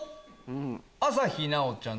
朝日奈央ちゃん。